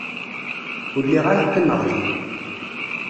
Ur lliɣ ara qqimeɣ din.